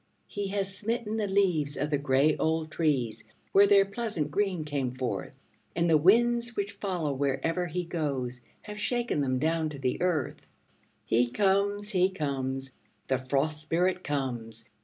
He has smitten the leaves of the gray old trees where their pleasant green came forth, And the winds, which follow wherever he goes, have shaken them down to earth. He comes, he comes, the Frost Spirit comes!